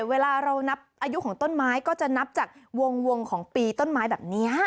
เวลาเรานับอายุของต้นไม้ก็จะนับจากวงของปีต้นไม้แบบนี้